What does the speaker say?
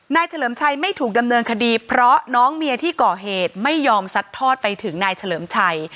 เฉลิมชัยไม่ถูกดำเนินคดีเพราะน้องเมียที่ก่อเหตุไม่ยอมซัดทอดไปถึงนายเฉลิมชัย